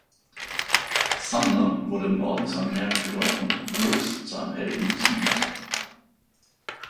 Sumner wurde im Norden zu einem Märtyrer und Brooks zu einem Helden des Südens.